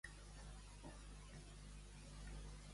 Es diu "leviosa", no "leviosà".